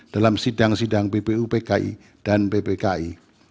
dalam sidang sidang ppupki dan ppki